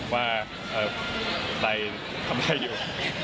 ว่าใบทำได้อยู่